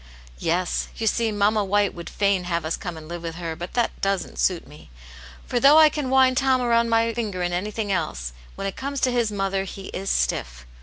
" Yes. You see mamma White would fain have us come and live with her, but that doesn't suit me. For though I can wind Tom about my finger in anything else, when it comes to his mother he is stiff.